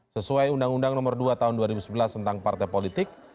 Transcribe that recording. sesuai undang undang nomor dua tahun dua ribu sebelas tentang partai politik